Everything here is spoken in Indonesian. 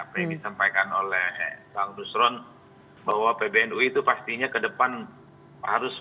apa yang disampaikan oleh cak nusron bahwa pbnu itu pastinya kedepan harus